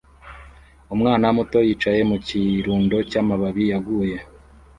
Umwana muto yicaye mu kirundo cy'amababi yaguye